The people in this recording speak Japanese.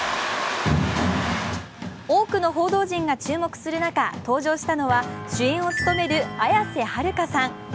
多くの報道陣が注目する中登場したのは主演を務める綾瀬はるかさん。